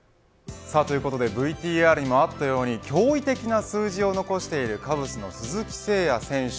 ＶＴＲにもあったように驚異的な数字を残しているカブスの鈴木誠也選手。